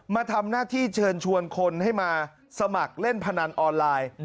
มาทำหน้าที่เชิญชวนคนให้มาสมัครเล่นพนันออนไลน์